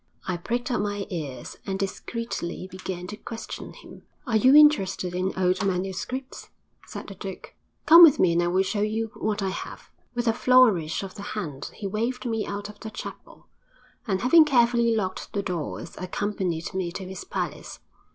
I pricked up my ears, and discreetly began to question him. 'Are you interested in old manuscripts?' said the duke. 'Come with me and I will show you what I have.' With a flourish of the hand he waved me out of the chapel, and, having carefully locked the doors, accompanied me to his palace.